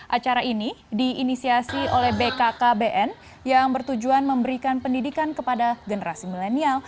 acara ini diinisiasi oleh bkkbn yang bertujuan memberikan pendidikan kepada generasi milenial